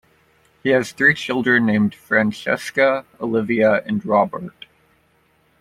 He has three children named Francessca, Olivia, and Robert.